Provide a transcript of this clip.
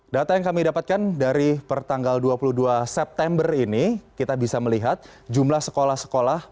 data yang kami dapatkan dari pertanggal dua puluh dua september ini kita bisa melihat jumlah sekolah sekolah